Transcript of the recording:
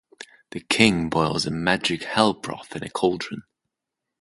The king boils a magic hell-broth in a cauldron.